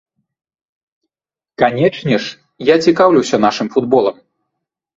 Канечне ж, я цікаўлюся нашым футболам.